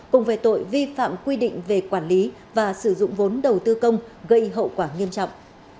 cùng về tội vi phạm quy định về quản lý và sử dụng vốn đầu tư công gây hậu quả nghiêm trọng